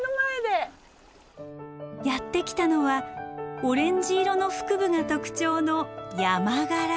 やって来たのはオレンジ色の腹部が特徴のヤマガラ。